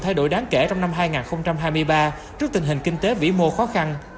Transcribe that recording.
thay đổi đáng kể trong năm hai nghìn hai mươi ba trước tình hình kinh tế vĩ mô khó khăn